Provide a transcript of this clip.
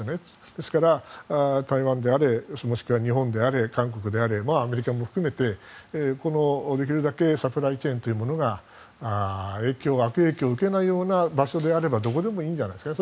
ですから、台湾であれ日本であれ韓国であれ、アメリカも含めてできるだけサプライチェーンが悪影響を受けないような場所であればどこでもいいんじゃないですか。